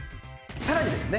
さらにですね